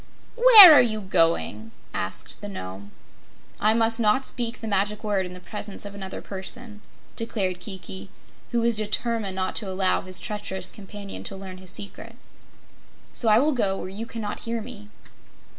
"Where are you going?" asked the Nome. "I must not speak the Magic Word in the presence of another person," declared Kiki, who was determined not to allow his treacherous companion to learn his secret, "so I will go where you cannot hear me."